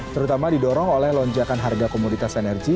terutama didorong oleh lonjakan harga komoditas energi